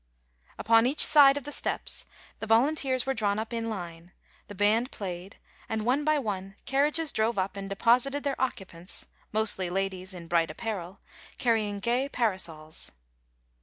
Upon each side of the steps the Volunteers were drawn up in line, the band played, and one by one, carriages drove up and deposited their occupants, mostly ladies in bright apparel, carrying gay parasols.